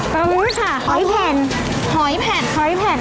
กับผ้านะคะเฮ้อยแผ่น